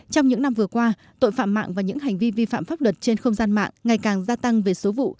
trong những năm vừa qua tội phạm mạng và những hành vi vi phạm pháp luật trên không gian mạng ngày càng gia tăng về số vụ